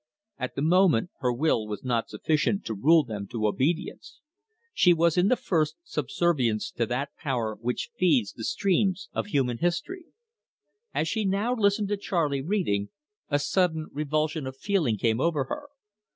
At the moment her will was not sufficient to rule them to obedience. She was in the first subservience to that power which feeds the streams of human history. As she now listened to Charley reading, a sudden revulsion of feeling came over her.